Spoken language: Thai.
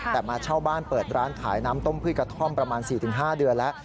แต่มาเช่าบ้านเปิดร้านขายน้ำต้มพืชกระท่อมประมาณ๔๕เดือนแล้ว